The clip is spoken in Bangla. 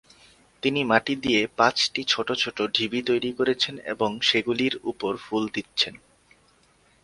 তিনি মাটি দিয়ে পাঁচটি ছোট ছোট ঢিবি তৈরি করেছেন এবং সেগুলির উপর ফুল দিচ্ছেন।